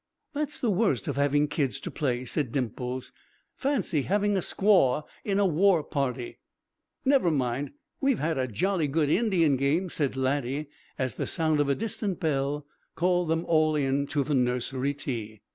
"That's the worst of having kids to play," said Dimples. "Fancy having a squaw in a war party!" "Never mind, we've had a jolly good Indian game," said Laddie, as the sound of a distant bell called them all to the nursery tea.